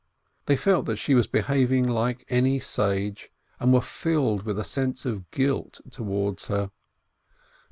They felt that she was behaving like any sage, and were filled with a sense of guilt towards her.